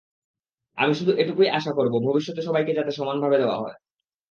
আমি শুধু এটুকুই আশা করব, ভবিষ্যতে সবাইকে যাতে সমানভাবে দেখা হয়।